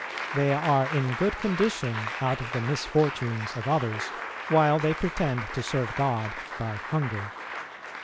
They "are in good condition out of the misfortunes of others, while they pretend to serve God by hunger."